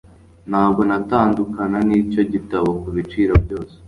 Ntabwo natandukana nicyo gitabo kubiciro byose